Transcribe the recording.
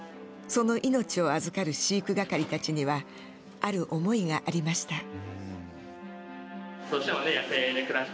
その命を預かる飼育係たちにはある思いがありました。